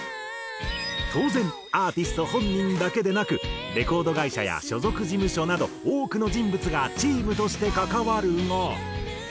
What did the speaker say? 当然アーティスト本人だけでなくレコード会社や所属事務所など多くの人物がチームとして関わるが。